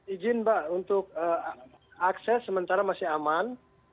izin mbak untuk akses sementara masih aman